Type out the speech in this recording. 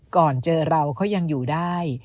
ก่อนเจอเราเขายังอยู่ได้